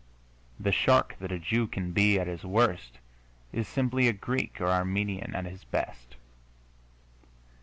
The shark that a Jew can be at his worst is simply a Greek or Armenian at his best.